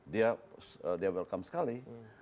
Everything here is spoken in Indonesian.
dia terima kasih sekali